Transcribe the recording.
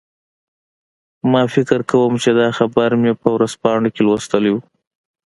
ما فکر کوم چې دا خبر مې په ورځپاڼو کې لوستی و